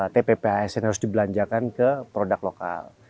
tppa snr harus dibelanjakan ke produk lokal